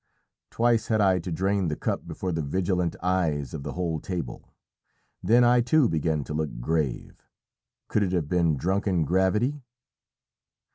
Twice had I to drain the cup before the vigilant eyes of the whole table. Then I too began to look grave. Could it have been drunken gravity?